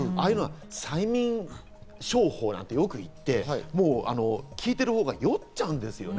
催眠商法なんてよく言って聞いてるほうがよっちゃうんです。